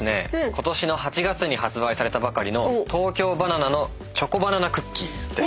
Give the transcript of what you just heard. ことしの８月に発売されたばかりの東京ばな奈のチョコバナナクッキーです。